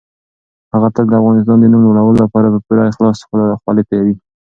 هغه تل د افغانستان د نوم لوړولو لپاره په پوره اخلاص خولې تويوي.